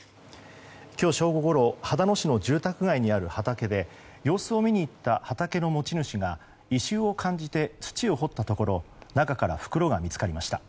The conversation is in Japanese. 今日正午ごろ秦野市の住宅街にある畑で様子を見に行った畑の持ち主が異臭を感じて土を掘ったところ中から袋が見つかりました。